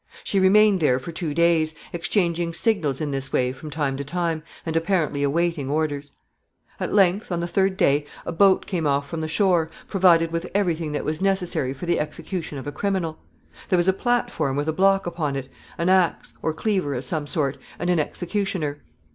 She remained there for two days, exchanging signals in this way from time to time, and apparently awaiting orders. [Sidenote: His execution in a boat.] At length, on the third day, a boat came off from the shore, provided with every thing that was necessary for the execution of a criminal. There was a platform with a block upon it, an axe, or cleaver of some sort, and an executioner.